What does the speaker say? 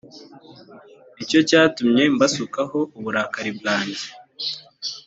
ni cyo cyatumye mbasukaho uburakari bwanjye.